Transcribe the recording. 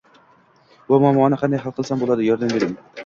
Bu muammoni qanday hal qilsam bo‘ladi, yordam bering.